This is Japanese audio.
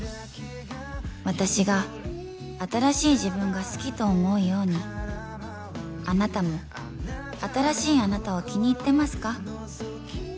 私が新しい自分が好きと思うようにあなたも新しいあなたを気に入ってますか？